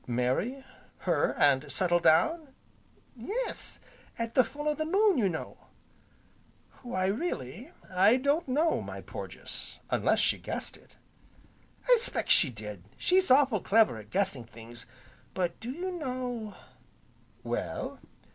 "Marry her, and settle down?" "Yes, at the full o' the moon, you know." "Why really I don't know, my Porges, unless she guessed it." "I specks she did, she's awful' clever at guessing things! But, do you know " "Well?"